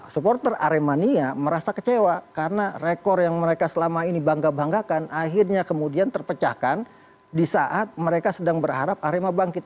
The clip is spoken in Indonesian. supporter aremania merasa kecewa karena rekor yang mereka selama ini bangga banggakan akhirnya kemudian terpecahkan di saat mereka sedang berharap arema bangkit